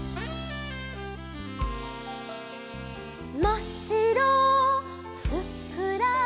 「まっしろふっくら」